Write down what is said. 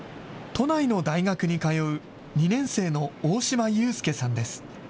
都内の大学に通う２年生の大嶋優介さんです。